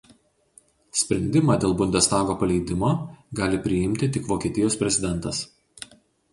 Sprendimą dėl Bundestago paleidimo gali priimti tik Vokietijos prezidentas.